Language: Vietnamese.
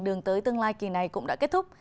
đường tới tương lai kỳ này cũng đã kết thúc